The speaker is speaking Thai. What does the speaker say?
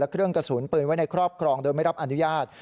เครื่องกระสุนปืนไว้ในครอบครองโดยไม่รับอนุญาต